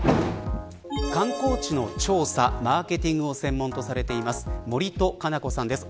観光地の調査マーケティングを専門としている森戸香奈子さんです。